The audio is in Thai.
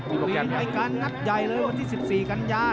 มีรายการนัดใหญ่เลยวันที่๑๔กันยา